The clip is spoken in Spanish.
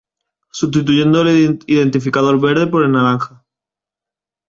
Sustituyendo el identificador verde por el naranja.